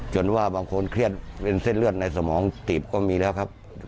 ว่าบางคนเครียดเป็นเส้นเลือดในสมองตีบก็มีแล้วครับ